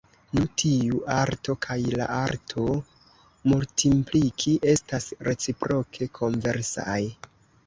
Nu tiu arto kaj la arto multimpliki estas reciproke konversaj.